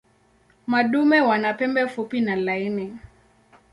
Madume wana pembe fupi na laini.